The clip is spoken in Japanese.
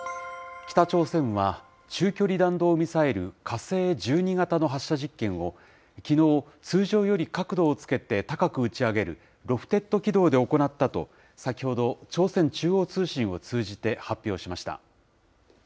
北朝鮮は中距離弾道ミサイル、火星１２型の発射実験をきのう、通常より角度をつけて高く打ち上げる、ロフテッド軌道で行ったと、先ほど、朝鮮中央通信を通じて発表しました。